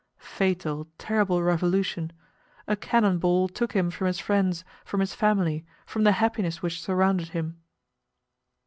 Fatal, terrible revolution! A cannon ball took him from his friends, from his family, from the happiness which surrounded him.